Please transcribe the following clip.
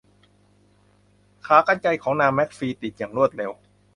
ขากรรไกรของนางแมคฟี ติดอย่างรวดเร็ว